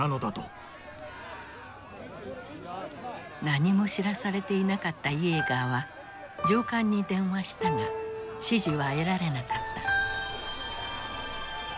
何も知らされていなかったイエーガーは上官に電話したが指示は得られなかった。